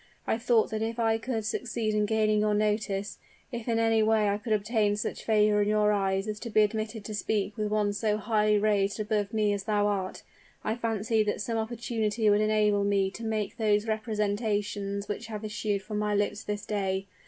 I thought that if I could succeed in gaining your notice if in any way I could obtain such favor in your eyes as to be admitted to speak with one so highly raised above me as thou art, I fancied that some opportunity would enable me to make those representations which have issued from my lips this day.